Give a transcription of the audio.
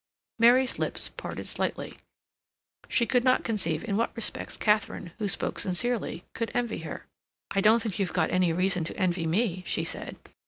Mary's lips parted slightly. She could not conceive in what respects Katharine, who spoke sincerely, could envy her. "I don't think you've got any reason to envy me," she said.